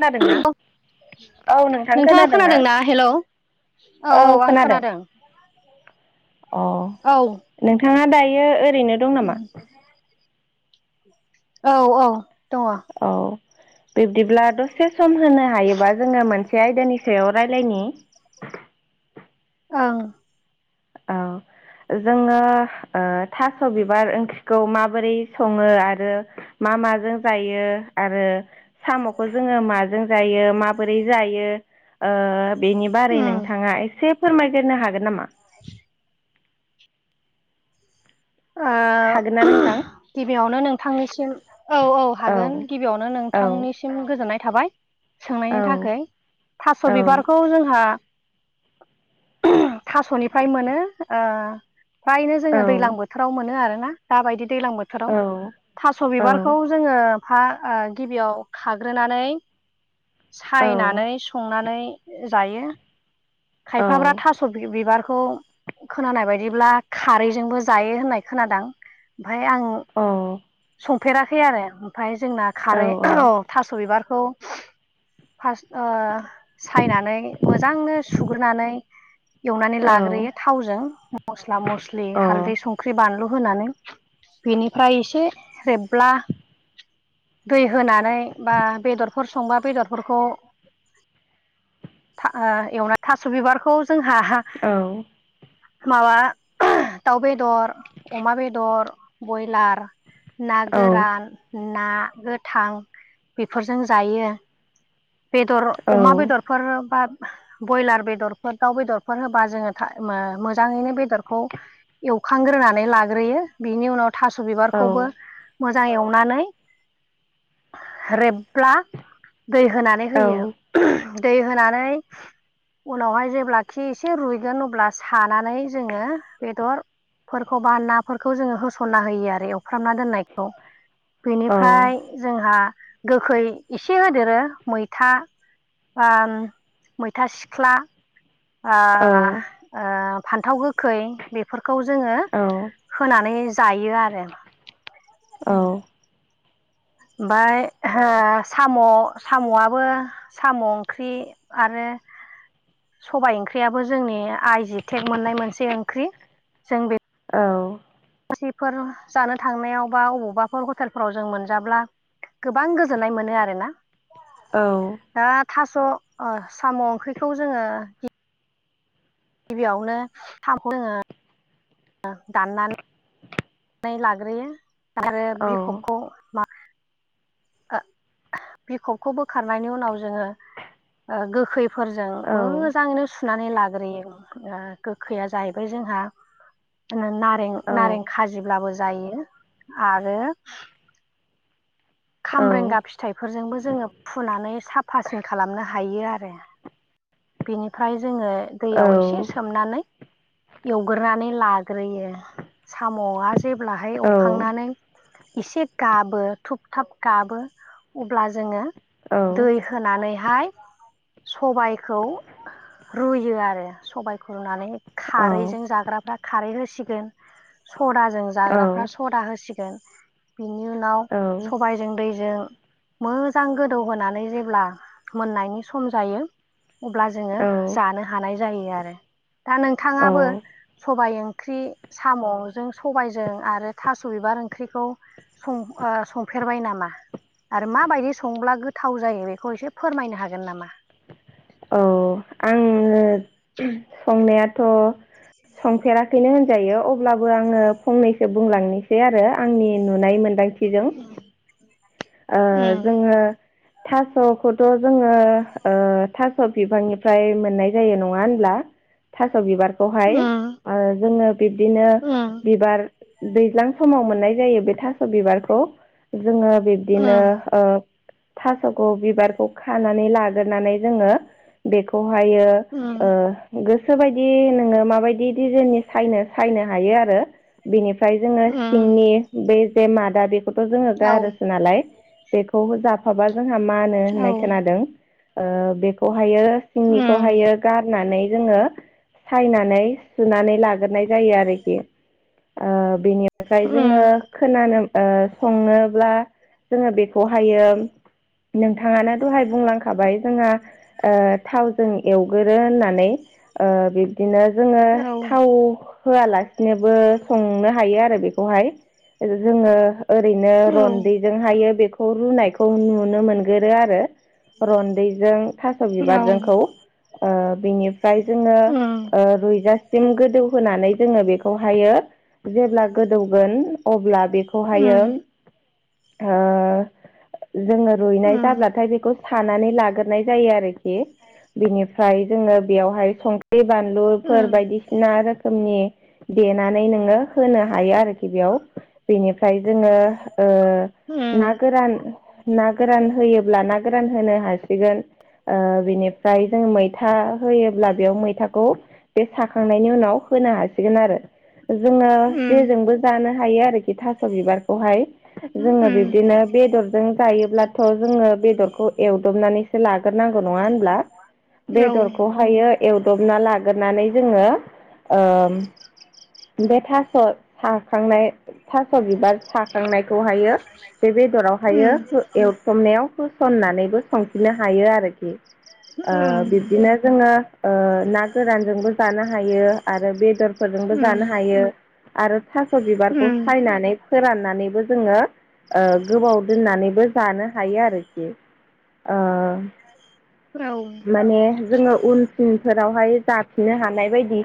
खोनादोंना? औ नोंथां नोंथाङा खोनादों ना? खोनादोंना हेलौ? औ औ आं खोनादों। अ औ नोंथाङा दायो ओरैनो दं नामा? ओम औ औ दङ। औ बिब्दिब्ला दसे सम होनो हायोबा जोङो मोनसे आयदानि सायाव रायज्लायनि। ओं औ जोङो ओ थास' बिबार ओंख्रिखौ माबोरै सङो आरो मा माजों जायो आरो साम'खौ जोङो माजों जायो माबोरै जायो ओ बेनि बारै उम नोंथाङा एसे फोरमायग्रोनो हागोन नामा। [unintelligible] ओ हागोन ना नोंथां? गिबियावनो नोंथांनिसिम औ औ हागोन गिबियावनो औ नोंथांनिसिम गोजोननाय थाबाय औ सोंनायनि थाखाय थास' औ बिबारखौ जोंहा थासनिफ्राय मोनो ओ फ्रायनो औ जोङो दैज्लां बोथोर बोथोराव मोनो आरो ना दाबायदि दैज्लां बोथोराव थास' औ बिबारखौ जोङो फा ओ गिबियाव खाग्रोनानै औ सायनानै संनानै जायो औ खायफाफ्रा थास' बिबारखौ खोनानाय बायदिब्ला खारैजोंबो जायो होननाय खोनादों ओमफ्राय आं अ संफेराखै आरो ओमफ्राय जोंना खारै औ थास' बिबारखौ फास ओ सायनानै मोजांनो सुग्रोनानै औ एवनानै अ औ लाग्रोयो थावजों मस्ला मस्लि हालदै संख्रि बानलु होनानै बेनिफ्राय एसे रेबब्ला दै होनानै बा बेदरफोर संबा बेदरफोरखौ ओ एवना थास' बिबारखौ जोंहा हा औ माबा दाउ बेदर अमा बेदर ब्रयलार ना औ गोरान ना गोथां बेफोरजों जायो। बेदर अमा बेदरफोर बा ब्रयलार बेदरफोर दाउ बेदरफोर होबा था-ओम जोङो मोजाङैनो बेदरखौ एवखांग्रोनानै लाग्रोयो बिनि उनाव थास' औ बिबारखौबो मोजां एवनानै रेबब्ला दै होनानै होयो दै होनानै उनावहाय जेब्ला खि एसे रुइगोन अब्ला सानानै जोङो बेदर फोरखौ बा नाफोरखौ जोङो होसनना होयो आरो एवफ्रामना दोननायखौ बेनिफ्राय जोंहा गोखै एसे होदेरो मैथा बा मैथा सिख्ला ओ ओ फान्थाव गोखै बेफोरखौ जोङो होनानै जायो आरो औ ओमफ्राय ओ साम' साम'आबो साम' ओंख्रि आरो सबाय ओंख्रियाबो जोंनि आइ जि टेक मोननाय मोनसे ओंख्रि जों बे औ फैफोर जानो थांनायाव बा अबावबाफोर हटेलफोराव जों मोनजाब्ला गोबां गोजोन्नाय मोनो आरोना औ दा थास' ओ साम' ओंख्रिखौ जोङो गिबियावनो हाखौ जोङो दाननानै लाग्रोयो आरो बिखबखौ माखासे ओ बिखबखौ बोखारनायनि उनाव जोङो गोखै फोरजों मोजाङैनो सुनानै लाग्रोयो ओ गोखैया जाहैबाय जोंहा नारें नारें खाजिब्लाबो जायो आरो खामब्रेंगा फिथाइफोरजोंबो जोङो फुनानै साफासिन खालामनो हायो आरो बिनिफ्राय जोङो दैयाव एसे सोम नानै एवग्रोनानै लाग्रो साम'आ जेब्लाहाय एवखांनानै इसे गाबो थुब थाब गाबो अब्ला जोङो दै होनानैहाय सबाइ खौ रुयो आरो सबायखौ रुनानै खारैजों जाग्राफ्रा खारै होसिगोन सदाजों जाग्राफ्रा सदा होसिगोन बिनि उनाव सबायजों दैजों मोजां गोदौहोनानै जेब्ला मोननायनि सम जायो अब्ला जोङो औ जानो हानाय जायो आरो दा औ औ नोंथाङाबो सबाय ओंख्रि साम'जों सबायजों आरो थास' बिबार ओंख्रिखौ संफेरबाय नामा आरो माबायदि संब्ला गोथाव जायो बेखौ एसे फोरमायनो हागोन नामा औ आङो संनायाथ' संफेराखैनो होनजायो अब्लाबो आङो फंनैसो बुंलांनोसै एसे आरो आंनि नुनाय मोनदांथिजों उम जोङो थास'खौथ' जोङो थास' बिफांनिफ्राय मोननाय जायो नङा होनब्ला थास' बिबारखौहाय उम जोङो बिब्दिनो उम बिबार दैज्लां समाव मोननाय जायो बे थास' बिबारखौ जोङो बे बिदिनो उम आ थास'खौ' बिबारखौ खानानै लाग्रोनानै जोङो बेखौहायो उम गोसोोबायदि नोङो माबायदि डिजाइननि सायनो सायनो हायो आरो बिनिफ्राय जोङो उम सिंनि बे जे मादा बेखौथ' जोङो औ गारोसो नालाय बेखौ जाफाबा जोंहा मा होनो औ होननाय खोनादों बेखौ खौहायो उम सिंनिखौहायो गारनानै जोङो सायनानै सुनानै लाग्रोनाय जायो आरोखि बेनिफ्राय जोङो उम खोनानो ओ संनोब्ला जोङो बेखौहायो नोंथाङानो दहाय बुंलांखाबाय जोंहा थावजों एवगोरो होननानै बिब्दिनो जोङो औ थाव होआलासिनोबो संनो हायो आरो बेखौहाय जोङो ओरैनो औ रन्दैजोंहायो बेखौ रुनायखौ नुनो मोनगोरो आरो। रनन्दैजों थास' औ बिबारजोंखौ ओ बेनि फ्राय जोङो उम ओ रुयजासिम गोदौ होनानै जोङो बेखौहायो जेब्ला गोदौगोन अब्ला बेखौहायो उम जोङो रुइनाय उम जाब्लाथाय बेखौ सानानै लाग्रोनाय जायो आरो। बिनिफ्राय जोङो बेवहाय सं ख्रि बानलुफोर उम बायदिसिना रोखोमनि देनानै नोङो होनो हायो आरोखि बेयाव बेनिफ्राय जोङो ओ उम ना गोरान ना गोरान होयोब्ला ना गोरान होनो हासिगोन। बिनिफ्राय जों मैथा होयोब्ला बेयाव मैथाखौ बे साखांनायनि उनाव होनो हासिगोन आरो। जोङो उम जेजोंबो जानो हायो आरोखि थास' बिबारखौहाय। जोङो बिब्दिनो उम बेदरजों जायोब्लाथ' जोङो बेदरखौ एवदबनानै लाग्रोनांगौ नङा होनब्ला औ बेदरखौ ओमफायो एवदबना लाग्रोनानै जोङो बे थास' साखांनाय थास' बिबार साखांनाय खौहायो बे बेदरावहायो उम एवथुमनायाव होसननानैबो संफिननो हायो आरोखि। उम बिब्दिनो जोङो ना गोरानजोंबो जानो हायो। आरो बेदरफोरजोंबो उम जानो हायो आरो थास' बिबारखौ उम सायनानै फोराननानैबो जोङो गोबाव दोननानैबो जानो हायो आरोखि। औ माने जोङो उन सिनफोरावहाय जाफिननो हानाय बायदि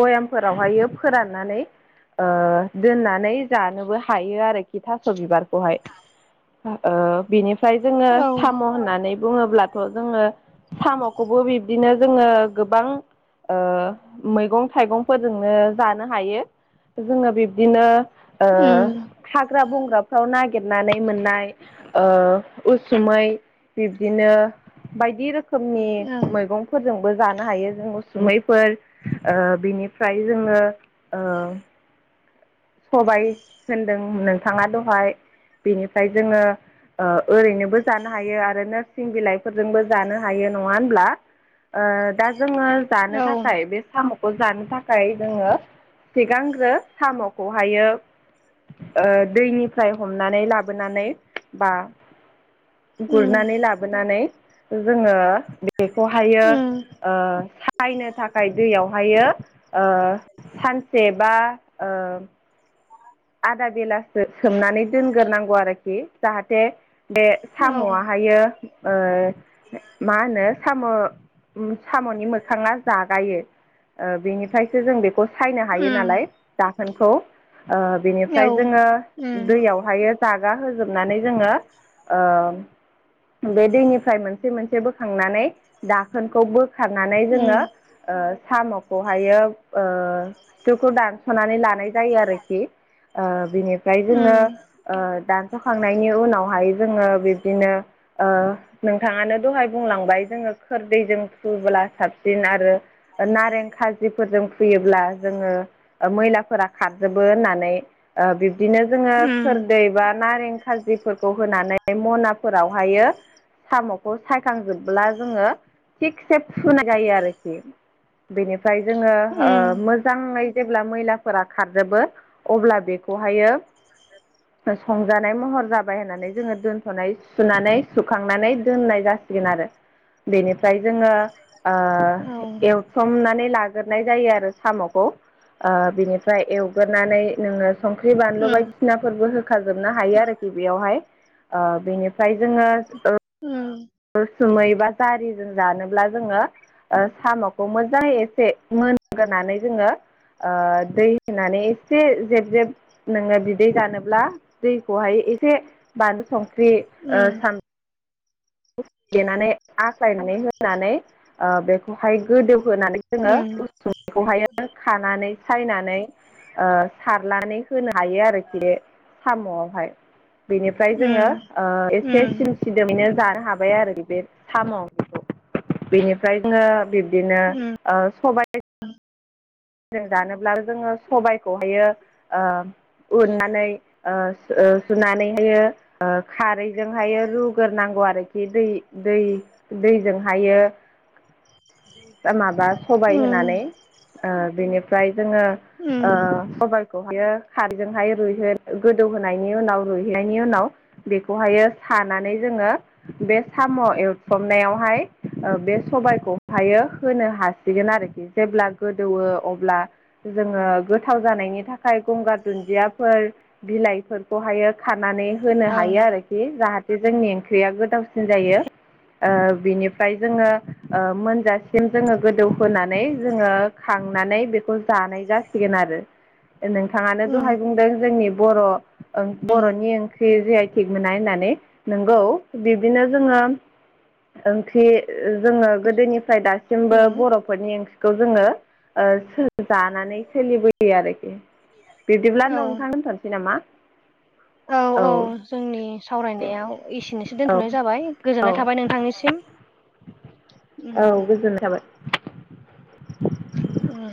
बयामफोरावहायो फोराननानै ओ दोननानै जानोबो थायो आरोखि थास' बिबारखौहा ओ बिनि फ्राय जोङो औ साम' होननानै बुङोब्लाथ' जोङो साम'खौबो बिब्दिनो जोङो गोबां मैगं थाइगंफोरजोंनो जानो हायो। जोंङो बिब्दिनो ओ उम हाग्रा-बंग्राफ्राव नागिरनानै मोननाय ओ उसुमै बिब्दिनो बायदि रोखोमनि ओं मैगं फोरजोंबो जानो हायो जों उसुमैफोर ओ बिनिफ्राय जोंङो ओ सबाय होनदों नोंथांङा दहाय। बेनिफ्राय जोंङो ओरैनोबो जानो हायो आरो नोरसिं बिलाइ फोरजोंबो जानो हायो नंङा होनब्ला ओ दा जोङो जानो औ थाखाय बे साम'खौ जानो थाखाय जोंङो सिगांग्रो साम'खौहायो दैनिफ्राय हमनानै लाबोनानै बा उम गुरनानै लाबोनानै जोंङो बेखौहायो उम ओ सायनो थाखाय दैयावहायो ओ सानसे बा ओ आदा बेलासो सोमनानै दोनग्रोनांगौ आरोखि जाहाथे बे औ साम'आहायो ओ मा होनो साम' साम'नि मोखांङा जागायो ओ बेनिफ्रायसो जों बेखौ सायनो हायो उम नालाय दाखोनखौ ओ औ बेनिफ्राय जोंङो उम दैयाव ओमफ्रायो जागा होजोबनानै जोंङो ओ बे दैनिफ्राय मोनसे मोनसे बोखांनानै दाखोनखौ बोखारनानै जोंङो उम ओ साम'खौहायो ओ खिथुखौ दानस'नानै लानाय जायो आरोखि ओ बिनिफ्राय जोंङो उम ओ दान सखांनायनि उनावहाय जोंङो बिब्दिनो ओ नोंथांङानो दहाय बुंलांबाय जोंङो खोरदैजों हुबोला साबसिन आरो नारें खाजिफोरजों फुयोब्ला जोंङो मैलाफोरा खारजोबो होननानै ओ बिब्दिनो जोंङो खोर उम दैबा नारें खाज्रिफोरखौ होनानै मनाफोरावहायो साम'खौ सायखांजोबब्ला जोंङो थिगसे फुनाय जायो आरोखि बेनिफ्राय जोंङो ओ उम मोजांङै जेब्ला मैलाफोरा खारजोबो अब्ला बेखौहायो संजानाय महर जाबाय होननानै जोंङो दोनथ'नाय सुनानै सुखांनानै दोननाय जासिगोन आरो बेनिफ्राय जोंङो ओ औ एव थ्रमनानै लाग्रोनाय जायो आरो साम'खौ ओ बिनिफ्राय एवग्रोनानै नोंङो संख्रि बानदलु बाय उम सिनाफोरबो होखाजोबनो हायो आरोखि बेयावहाय ओ बेनिफ्राय जोंङो उम उसुममै बा जारिजों जानोब्ला जोंङो ओ साम'खौ मोजांङै एसे मोनग्रोनानै जोंङो ओ दै होनानै एसे जेब जेब नोंङो बिदै जानोब्ला दैखौहाय एसे बानलु संख्रि ओ उम सान देनानै आख्लायनानै होनानै ओ बेखौहाय गोदौहोनानै उम जोंङो उसुमैखौहाय खानानै सायनानै ओ सारनानै होनो हायो आरोखि बे साम'आवहाय बेनिफ्राय जोंङो उम ओ एसे उम उम सिम सिदोमैनो जा हाबाय आरो बे साम' बेनिफ्राय जोङो बिब्दिनो उम ओ सबाय जों जानोब्लाबो जोंङो सबायखौहायो ओ उननानै ओ ओ सुनानै होयो ओ खारैजोंहाय रुग्रोनांगौ आरोखि दै दै दैजोंहायो माबा सबाय होनानै ओ बिनिफ्राय जोंङो ओ सबाइ खौ होयो खारजोंहाय रुइह गोदौहोनायनि उनाव रुइहैनायनि उनाव बेखौहायो सानानै जोंङो बे साम' एवथ्रमनायावहाय ओ बे सबायखौहायो होनो हास सिगोन आरोखि जेब्ला गोदौओ अब्ला जोङो गोथाव जानायनि थाखाय गंगार दुन्दियाफोर बिलाइफोरखौहायो खानानै होनो ओं हायो आरो हि जाहाथे जोंनि ओंख्रिया गोदावसिन जायो। ओ बिनिफ्राय जोङो ओ मोनजासिम जोङो गोदौ होनानै जोङो खांनानै बेखौ जानाय जासिगोन आरो नोंथाङानो उम दहाय बुंदों जोंनि बर' ओं बर'नि ओंख्रि जे आय थिग मोना होननानै नोंगौ बिब्दिनो जोङो ओंख्रि जोङो गोदोनिफ्राय दा थिंबो हेलौ बर'फोरनि ओंख्रिखौ जोङो ओ सो जानानै सोलिबोयो आरोखि बिब्दिब्ला औ नोंथां दोनथ'नोसै नामा औ। जोंनि दे सावरायनायाव एसेनोसै औ दोनथ'नाय जाबाय औ गोजोननाय थाबाय नोंथांनिसिम। उम औ गोजोननाय थाबाय। उम